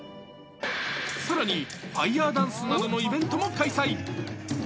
さらにファイヤーダンスなどのイベントも開催。